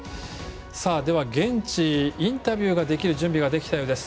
では、現地インタビューができる準備ができたようです。